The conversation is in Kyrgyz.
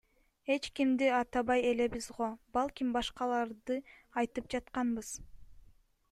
Эч кимди атабай элебиз го, балким башкаларды айтып жатканбыз.